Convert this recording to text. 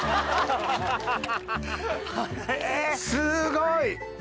すごい。